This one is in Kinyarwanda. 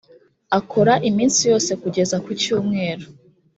akora iminsi yose kugeza ku cyumweru.